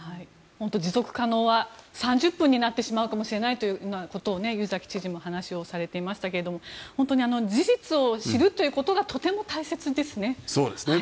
持続可能は３０分になってしまうかもしれないというようなことを湯崎知事もお話しされていましたが事実を知るということがとても大切ですね。